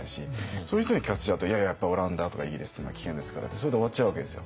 そういう人に聞かせちゃうと「いややっぱオランダとかイギリスっていうのは危険ですから」ってそれで終わっちゃうわけですよ。